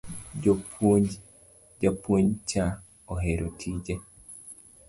Japuonj cha ohero tije